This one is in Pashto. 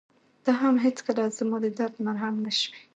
ته هم هېڅکله زما د درد مرهم نه شوې.